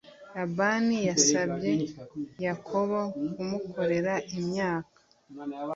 Labani yasabye Yakobo kumukorera imyaka